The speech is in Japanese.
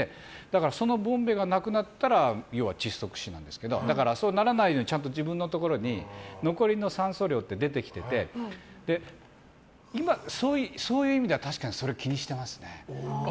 そのボンベがなくなったら要は窒息死なんですけどだから、そうならないようにちゃんと自分のところに残りの酸素量って出てきててそういう意味では確かに気にしてますね。